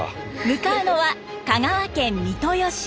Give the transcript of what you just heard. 向かうのは香川県三豊市。